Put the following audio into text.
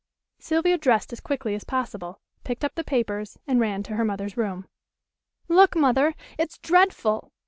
Sylvia dressed as quickly as possible, picked up the papers and ran to her mother's room. "Look, Mother! It's dreadful.